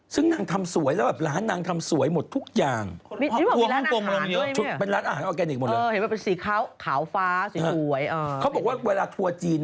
เขาบอกว่าเวลาทัวร์จีน